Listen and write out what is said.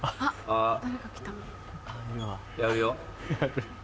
あやるよ。